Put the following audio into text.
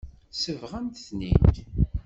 Sebɣent-ten-id.